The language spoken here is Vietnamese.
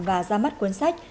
và ra mắt cuốn sách